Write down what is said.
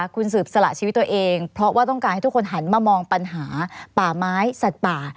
คุณสืบสละชีวิตตัวเองเพราะว่าต้องการให้ทุกคนหันมามองปัญหาป่าไม้สัตว์ป่า